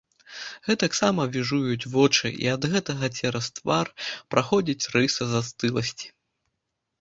Гэтаксама віжуюць вочы, і ад гэтага цераз твар праходзіць рыса застыласці.